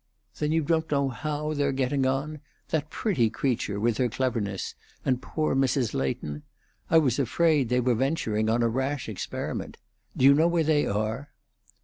"Then you don't know how they're getting on that pretty creature, with her cleverness, and poor Mrs. Leighton? I was afraid they were venturing on a rash experiment. Do you know where they are?"